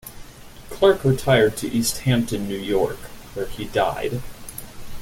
Clark retired to East Hampton, New York, where he died.